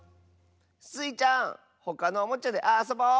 スイちゃんほかのおもちゃであそぼう！